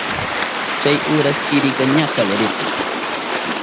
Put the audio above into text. Chay uras chirika ña kallarirka.